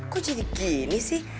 kok jadi gini sih